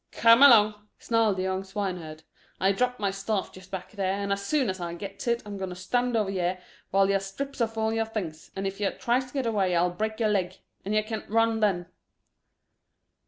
"Kerm along," snarled the young swineherd. "I dropped my staff just back here, and as soon as I gets it, I'm going to stand over yer while yer strips off all them things; and if yer tries to get away I'll break yer legs, and yer can't run then."